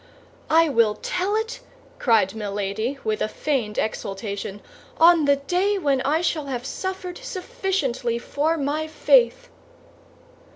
"I will tell it," cried Milady, with a feigned exultation, "on the day when I shall have suffered sufficiently for my faith."